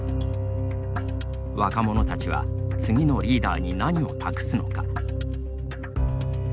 若者たちは次のリーダーに何を託すのか。